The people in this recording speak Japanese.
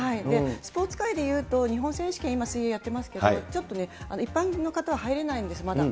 スポーツ界で言うと、日本選手権、今、水泳やってますけれども、ちょっとね、一般の方は入れないんです、まだ。